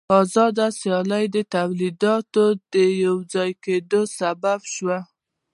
آزاده سیالي د تولیداتو د یوځای کېدو سبب شوه